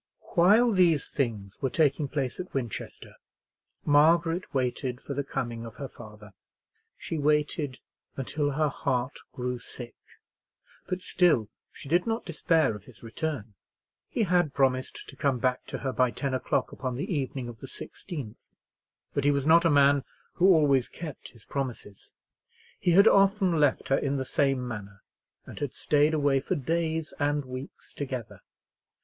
While these things were taking place at Winchester, Margaret waited for the coming of her father. She waited until her heart grew sick, but still she did not despair of his return. He had promised to come back to her by ten o'clock upon the evening of the 16th; but he was not a man who always kept his promises. He had often left her in the same manner, and had stayed away for days and weeks together.